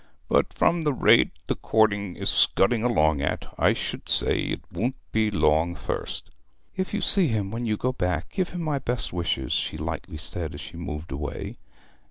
'But from the rate the courting is scudding along at, I should say it won't be long first.' 'If you see him when you go back, give him my best wishes,' she lightly said, as she moved away.